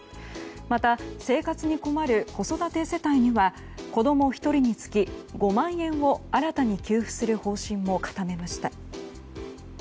また、生活に困る子育て世帯には子供１人につき５万円を新たに給付する方針も固めました。